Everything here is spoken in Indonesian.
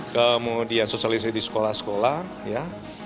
kemudian sosialisasi di sekolah sekolah ya